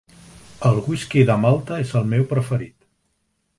El whisky de malta és el meu preferit.